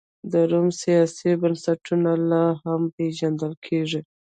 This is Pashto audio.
د روم سیاسي بنسټونه لا هم پېژندل کېږي.